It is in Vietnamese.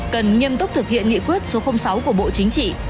cần nghiêm túc thực hiện nghị quyết số sáu của bộ chính trị